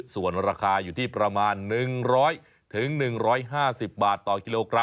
ส่วนราคาอยู่ที่ประมาณ๑๐๐๑๕๐บาทต่อกิโลกรั